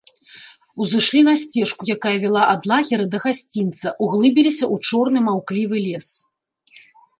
Узышлі на сцежку, якая вяла ад лагера да гасцінца, углыбіліся ў чорны маўклівы лес.